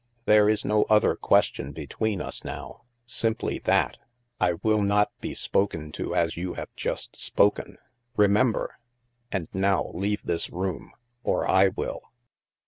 There is no other question between us now — simply that! I will not be spoken to, as you have just spoken. Remember! And now leave this room, or I will."